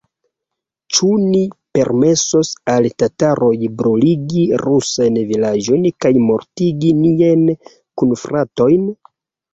Ĉu ni permesos al tataroj bruligi rusajn vilaĝojn kaj mortigi niajn kunfratojn?